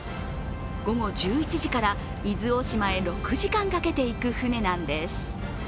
午後１１時から伊豆大島へ６時間かけて行く船なんです。